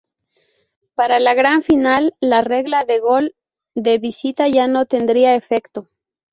Para la gran final, la regla de gol de visita ya no tendría efecto.